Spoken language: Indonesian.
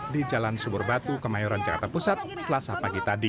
di jalan subur batu kemayoran jakarta pusat selasa pagi tadi